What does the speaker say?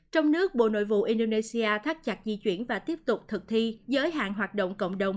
trong nước bộ nội vụ indonesia thắt chặt di chuyển và tiếp tục thực thi giới hạn hoạt động cộng đồng